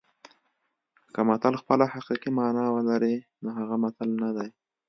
که متل خپله حقیقي مانا ولري نو هغه متل نه دی